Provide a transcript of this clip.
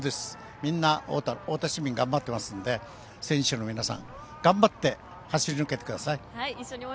みんな太田市民頑張っていますので、選手の皆さん頑張って走り抜けてください。